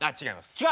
違う？